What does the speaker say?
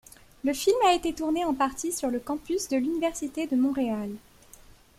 Le film a été tourné en partie sur le campus de l'Université de Montréal.